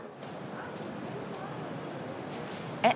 えっ？